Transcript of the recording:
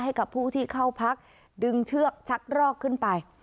ให้กับผู้ที่เข้าพักดึงเชือกชักรอกขึ้นไป